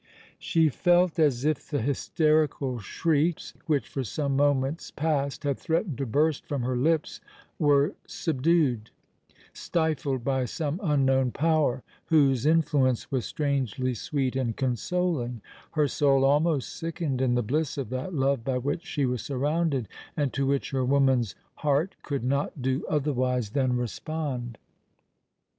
She felt as if the hysterical shriek, which for some moments past had threatened to burst from her lips, were subdued—stifled by some unknown power, whose influence was strangely sweet and consoling:—her soul almost sickened in the bliss of that love by which she was surrounded, and to which her woman's heart could not do otherwise than respond.